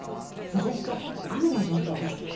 続いて雨の状況です。